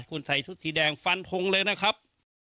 คุณใส่ชุดสีแดงฟันทงเลยนะครับ